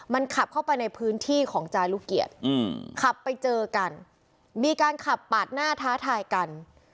มันขับเข้าไปในพื้นที่ของจารุเกียรติขับไปเจอกันมีการขับปาดหน้าท้าทายกัน